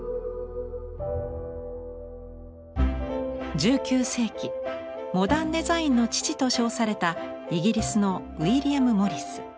１９世紀モダン・デザインの父と称されたイギリスのウィリアム・モリス。